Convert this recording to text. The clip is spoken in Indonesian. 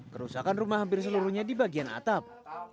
kerusakan rumah hampir seluruhnya di bagian atap